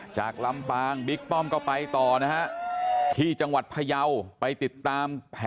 จากลำปางบิ๊กป้องไปต่อที่จังหวัดพะยาวไปติดตาม